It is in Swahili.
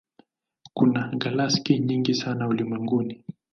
Kuna galaksi nyingi sana ulimwenguni.